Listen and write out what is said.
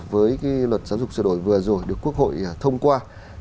với luật giáo dục sửa đổi vừa rồi được quốc hội thông qua